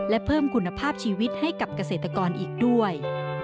และเพิ่มคุณภาพชีวิตให้กับเกษตรกรอีกด้วย